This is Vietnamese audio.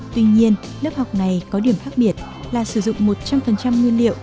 tuy nhiên lớp học này có điểm khác biệt là sử dụng một trăm linh nguyên liệu